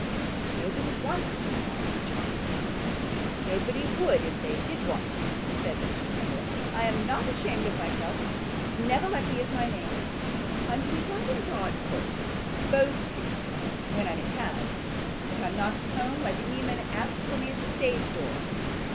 'Nobody wants to, pa,' rejoined his daughter. 'Nobody would if they did want to,' said Mr. Snevellicci. 'I am not ashamed of myself, Snevellicci is my name; I'm to be found in Broad Court, Bow Street, when I'm in town. If I'm not at home, let any man ask for me at the stage door.